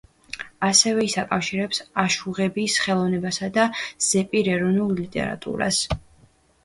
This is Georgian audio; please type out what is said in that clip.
ასევე ის აკავშირებს აშუღების ხელოვნებასა და ზეპირ ეროვნულ ლიტერატურას.